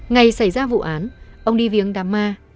ngày xảy ra vụ án ông đi viếng đám ma